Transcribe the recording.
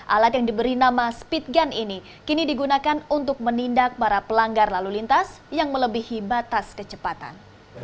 alat yang diberi nama speed gun ini kini digunakan untuk menindak para pelanggar lalu lintas yang melebihi batas kecepatan